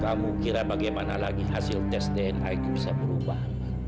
kamu kira bagaimana lagi hasil tes dna itu bisa berubah